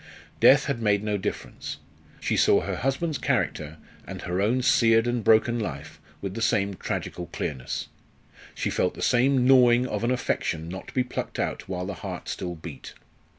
Death had made no difference. She saw her husband's character and her own seared and broken life with the same tragical clearness; she felt the same gnawing of an affection not to be plucked out while the heart still beat.